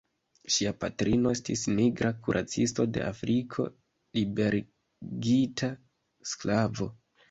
Ŝia patrino estis nigra kuracisto de Afriko, liberigita sklavo.